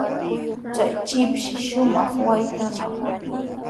Kay shipashmi shumaq waytanaw.